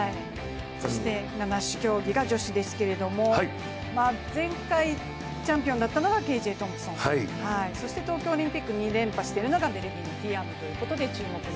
そして七種競技が女子ですけれども、前回チャンピオンだったのがＫ・Ｊ・トンプソンそして東京オリンピック２連覇しているのがベルギーのティアム。